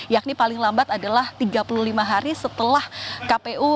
yakni paling lambat adalah tiga puluh lima hari setelah kpu